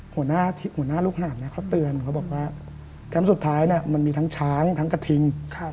หัวหน้าลูกหาดเขาเตือนเขาบอกว่าแคมป์สุดท้ายมันมีทั้งช้างทั้งกระทิง